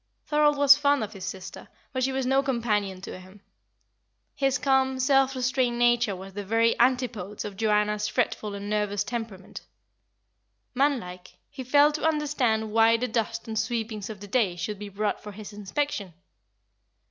Thorold was fond of his sister, but she was no companion to him. His calm, self restrained nature was the very antipodes of Joanna's fretful and nervous temperament. Manlike, he failed to understand why the dust and sweepings of the day should be brought for his inspection.